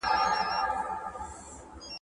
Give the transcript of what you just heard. د نکاح په حقوقو کې دا ميرمنې څنګه مساوي دي؟